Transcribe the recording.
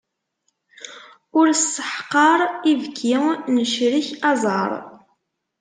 Ur sseḥqar ibki, necrek aẓar.